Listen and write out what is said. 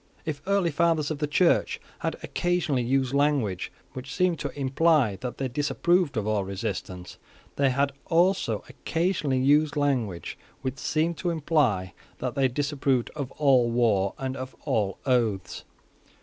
If early fathers of the Church had occasionally used language which seemed to imply that they disapproved of all resistance, they had also occasionally used language which seemed to imply that they disapproved of all war and of all oaths.